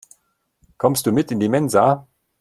Kommst du mit in die Mensa?